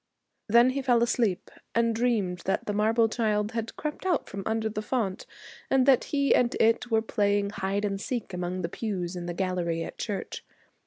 Then he fell asleep and dreamed that the marble child had crept out from under the font, and that he and it were playing hide and seek among the pews in the gallery at church.